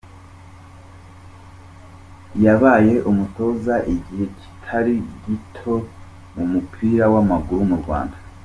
Yabaye umutoza igihe kitari gito mu mupira w’amaguru mu Rwanda.